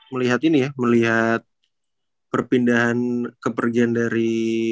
melihat ini ya melihat perpindahan kepergian dari